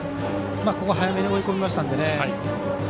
ここ、早めに追い込みましたんでね。